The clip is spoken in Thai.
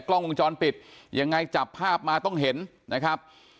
กล้องวงจรปิดยังไงจับภาพมาต้องเห็นนะครับ